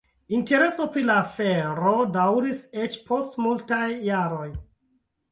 Intereso pri la afero daŭris eĉ post multaj jaroj.